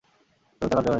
তবে তা কার্যকর হয়নি।